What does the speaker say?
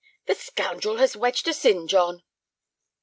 "The scoundrel has wedged us in, John!"